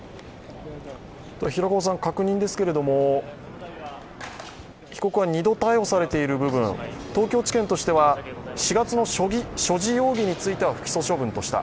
確認ですけれども、被告は２度逮捕されている部分、東京地検としては４月の所持容疑については不起訴処分でした。